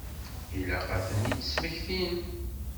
Ilaq ad tent-id-smektin.